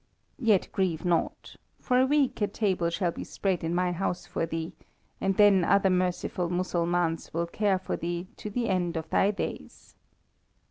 Yet grieve not. For a week a table shall be spread in my house for thee, and then other merciful Mussulmans will care for thee to the end of thy days."